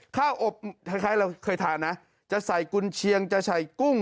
ข้าวอบคล้ายเราเคยทานนะจะใส่กุญเชียงจะใส่กุ้ง